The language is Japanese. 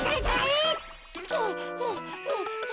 はあはあはあ。